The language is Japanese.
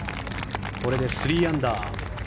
これで３アンダー。